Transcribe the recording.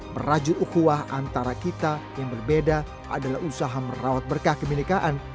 merajut ukwah antara kita yang berbeda adalah usaha merawat berkah kebenekaan